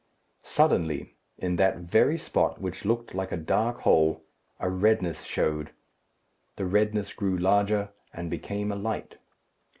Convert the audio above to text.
Suddenly, in that very spot which looked like a dark hole, a redness showed. The redness grew larger, and became a light.